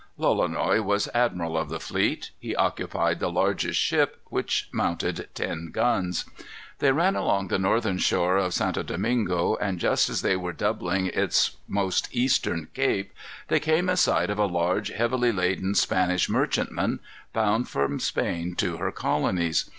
Lolonois was admiral of the fleet. He occupied the largest ship, which mounted ten guns. They ran along the northern shore of St. Domingo, and just as they were doubling its most eastern cape, they came in sight of a large, heavily laden Spanish merchantman, bound from Spain to her colonies.